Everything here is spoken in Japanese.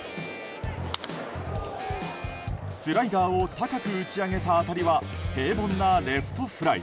スライダーを高く打ち上げた当たりは平凡なレフトフライ。